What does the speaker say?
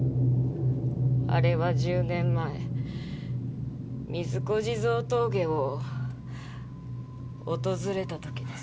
あれは１０年前水子地蔵峠を訪れた時です。